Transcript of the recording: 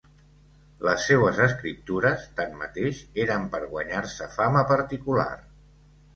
Les seues escriptures, tanmateix, eren per guanyar-se fama particular.